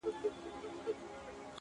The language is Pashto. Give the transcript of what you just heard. زما د ژوند تيارې ته لا ډېوه راغلې نه ده!